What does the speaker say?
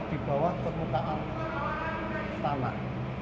di bawah permukaan tanah